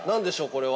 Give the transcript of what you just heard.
これは。